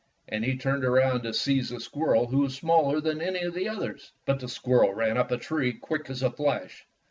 And he turned around to seize the squirrel who was smaller than any of the others. But the squirrel ran up a tree, quick as a flash.